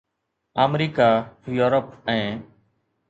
آمريڪا، يورپ ۽